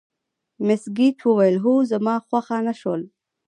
مس ګېج وویل: هو، خو زما خوښه نه شول.